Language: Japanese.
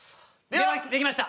できました。